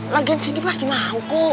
lagian cindy pasti mau kok